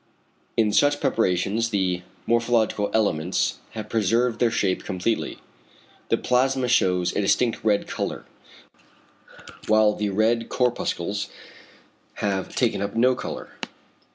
In such preparations the morphological elements have preserved their shape completely. The plasma shews a distinct red colour, whilst the red corpuscles have taken up no colour.